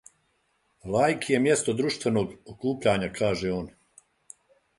Лаики је место друштвеног окупљања, каже он.